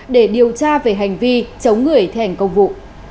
để điều tra về hành vi chống người thi hành công vụ